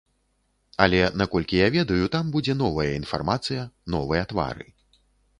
Але наколькі я ведаю, там будзе новая інфармацыя, новыя твары.